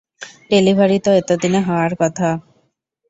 Delivery তো এতদিনে হয়ে যাওয়ার কথা।